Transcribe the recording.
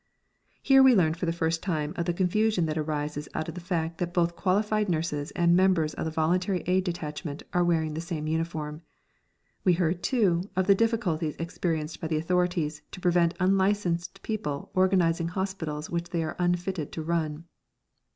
Here we learned for the first time of the confusion that arises out of the fact that both qualified nurses and members of the Voluntary Aid Detachment are wearing the same uniform; we heard, too, of the difficulties experienced by the authorities to prevent unlicensed people organising hospitals which they are unfitted to run.